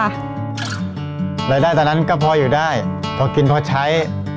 รายได้ตอนนั้นก็พออยู่ได้พอกินพอใช้